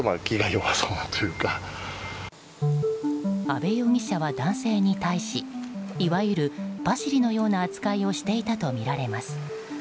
阿部容疑者は男性に対しいわゆるパシリのような扱いをしていたとみられます。